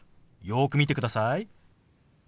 よく見てください。